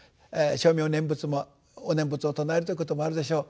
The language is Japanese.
称名念仏もお念仏を称えるということもあるでしょう。